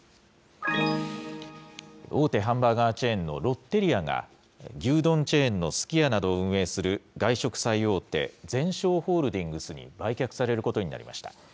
大手ハンバーガーチェーンのロッテリアが、牛丼チェーンのすき家などを運営する外食最大手、ゼンショーホールディングスに売却されることになりました。